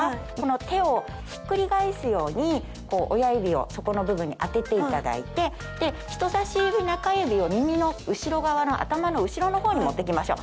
手をひっくり返すように親指をそこの部分に当てていただいて人さし指中指を耳の後ろ側の頭の後ろのほうに持って行きましょう。